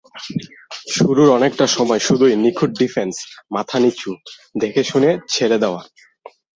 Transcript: শুরুর অনেকটা সময় শুধুই নিখুঁত ডিফেন্স, মাথা নিচু, দেখেশুনে ছেড়ে দেওয়া।